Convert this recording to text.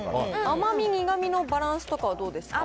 甘み、苦みのバランスとかはどうですか？